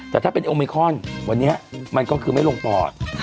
แต่ถ้าเป็นโอมิคอนวันนี้มันก็คือไม่ลงปอด